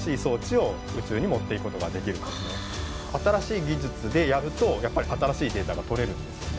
短いんですけどそうすると新しい技術でやるとやっぱり新しいデータがとれるんですよね。